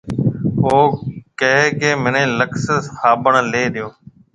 او ڪهي ڪيَ مني لڪَس هابُن ليَ ڏيو۔